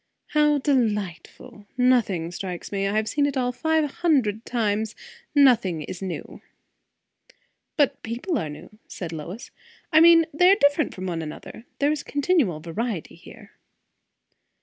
"How delightful! Nothing strikes me. I have seen it all five hundred times. Nothing is new." "But people are new," said Lois. "I mean they are different from one another. There is continual variety there."